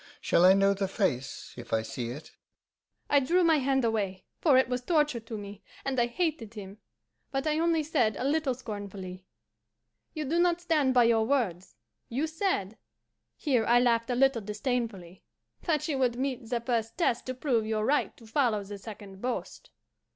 Shall I know the face if I see it?' I drew my hand away, for it was torture to me, and I hated him, but I only said a little scornfully, 'You do not stand by your words. You said' here I laughed a little disdainfully 'that you would meet the first test to prove your right to follow the second boast.